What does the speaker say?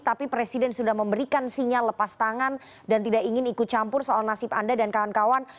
tapi presiden sudah memberikan sinyal lepas tangan dan tidak ingin ikut campur soal nasib anda dan kawan kawan